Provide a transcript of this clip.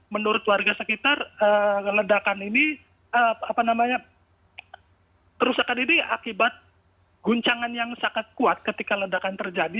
menurut warga sekitar ledakan ini kerusakan ini akibat guncangan yang sangat kuat ketika ledakan terjadi